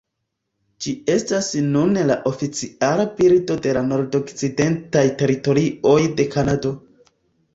Ĝi estas nune la oficiala birdo de la Nordokcidentaj Teritorioj de Kanado.